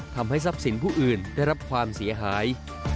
ทำให้ทรัพย์สินผู้อื่นได้รับความเสียหาย